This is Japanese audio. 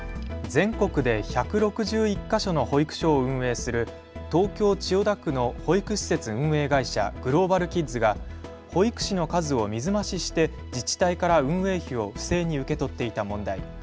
全国で１６１か所の保育所を運営する東京千代田区の保育施設運営会社、グローバルキッズが保育士の数を水増しして自治体から運営費を不正に受け取っていた問題。